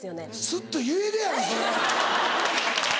スッと言えるやろそれ。